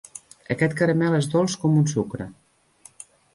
Aquest caramel és dolç com un sucre.